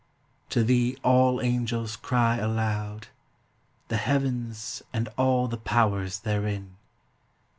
To thee all Angels cry aloud; the Heavens, and all the powers therein.